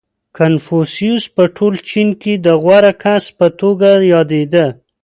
• کنفوسیوس په ټول چین کې د غوره کس په توګه یادېده.